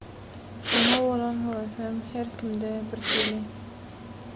Oňa bolan höwesem her kimde birhili.